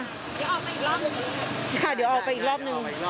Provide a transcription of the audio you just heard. เดี๋ยวออกไปอีกรอบนึงค่ะเดี๋ยวออกไปอีกรอบหนึ่ง